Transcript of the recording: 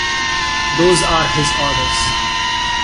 Those are his orders.